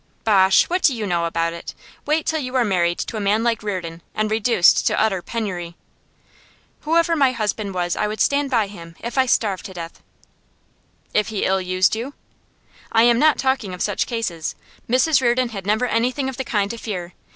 'Bosh! What do you know about it? Wait till you are married to a man like Reardon, and reduced to utter penury.' 'Whoever my husband was, I would stand by him, if I starved to death.' 'If he ill used you?' 'I am not talking of such cases. Mrs Reardon had never anything of the kind to fear.